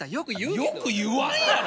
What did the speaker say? よく言わんやろ！